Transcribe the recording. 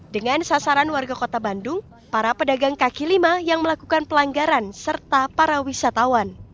dengan sasaran warga kota bandung para pedagang kaki lima yang melakukan pelanggaran serta para wisatawan